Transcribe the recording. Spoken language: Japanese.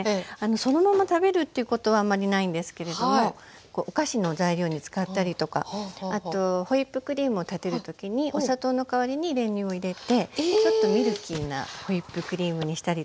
そのまま食べるっていうことはあんまりないんですけれどもお菓子の材料に使ったりとかあとホイップクリームを立てる時にお砂糖の代わりに練乳を入れてちょっとミルキーなホイップクリームにしたりとか。